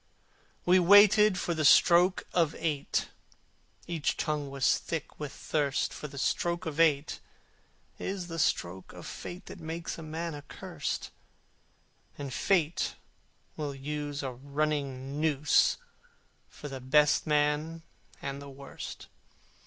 We waited for the stroke of eight: Each tongue was thick with thirst: For the stroke of eight is the stroke of Fate That makes a man accursed, And Fate will use a running noose For the best man and the worst.